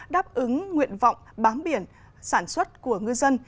đáp ứng nguyện vọng bám biển sản xuất của ngư dân